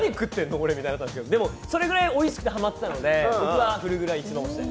これってなったんですけどでも、それぐらいおいしくてハマったので、僕はフルグラ一押しです。